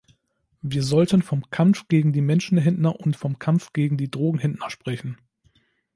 Wir sollten vom Kampf gegen die Menschenhändler und vom Kampf gegen die Drogenhändler sprechen.